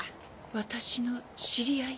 私の知り合い？